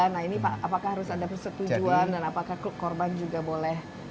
nah ini pak apakah harus ada persetujuan dan apakah korban juga boleh